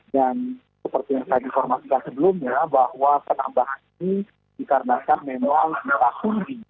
dan seperti yang saya informasikan sebelumnya bahwa penambahannya dikarenakan manual berakun ini